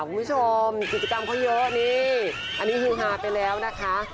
คุณผู้ชมกิจกรรมเขาเยอะนี่อันนี้ฮือฮาไปแล้วนะคะ